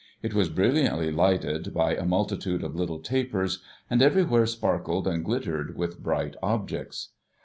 It was brilliantly lighted by a multitude of little tapers ; and everywhere sparkled and glittered with bright objects.